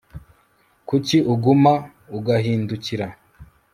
Kuki uguma ugahindukira